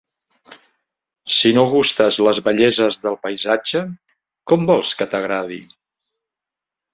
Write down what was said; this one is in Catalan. Si no gustes les belleses del paisatge, com vols que t'agradi?